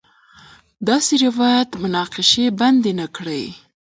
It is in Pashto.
داسې روایت مناقشې بنده نه کړي.